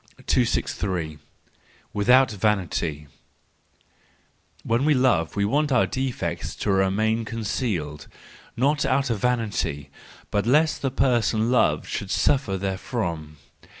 263. Without Vanity .—When we love we want our defects to remain concealed,—not out of vanity, but lest the person loved should suffer therefrom.